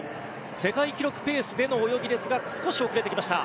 世界記録ペースでの泳ぎですが少し遅れてきました。